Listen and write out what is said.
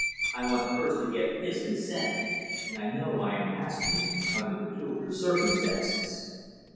I want first to get his consent, and I know I am asking it under peculiar circumstances."